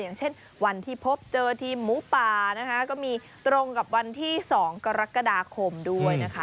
อย่างเช่นวันที่พบเจอทีมหมูป่านะคะก็มีตรงกับวันที่๒กรกฎาคมด้วยนะคะ